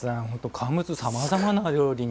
乾物、さまざまな料理に。